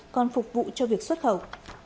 còn phục vụ cho việc xuất khẩu